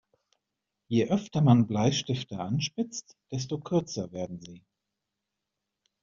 Je öfter man Bleistifte anspitzt, desto kürzer werden sie.